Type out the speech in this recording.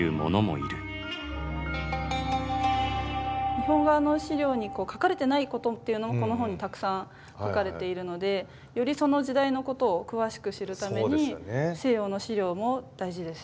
日本側の史料に書かれてないことっていうのもこの本にたくさん書かれているのでよりその時代のことを詳しく知るために西洋の史料も大事です。